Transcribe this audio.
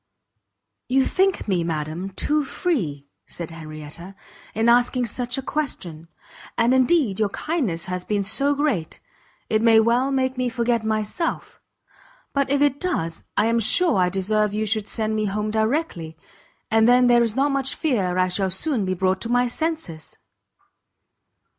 "You think me, madam, too free," said Henrietta, "in asking such a question; and indeed your kindness has been so great, it may well make me forget myself: but if it does, I am sure I deserve you should send me home directly, and then there is not much fear I shall soon be brought to my senses!"